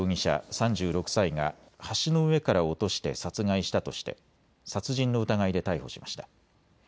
３６歳が橋の上から落として殺害したとして殺人の疑いで逮捕しました。